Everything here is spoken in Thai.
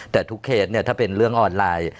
แต่ทุกเคสเนี่ยถ้าเป็นเรื่องออนไลน์